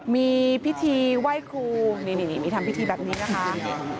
มีพิธีไหว้ครูนี่มีทำพิธีแบบนี้นะคะ